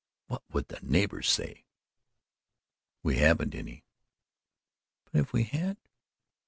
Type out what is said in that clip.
"What would the neighbours say?" "We haven't any." "But if we had!"